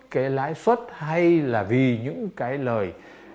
cái lãi suất hay là vì những cái lời